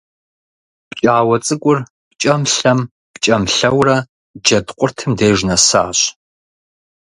ПкӀауэ цӀыкӀур пкӀэм-лъэм, пкӀэм-лъэурэ Джэд къуртым деж нэсащ.